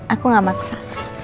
aku gak maksa